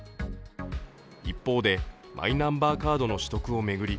一方で、マイナンバーカードの取得を巡り